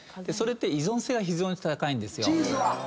それって依存性が非常に高いんですよ。